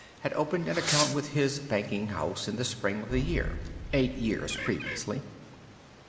Had opened an account with his banking house in the spring of the year—(eight years previously).